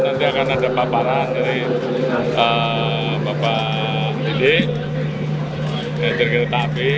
nanti akan ada paparan dari bapak didik manajer kereta api